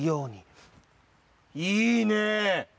いいね！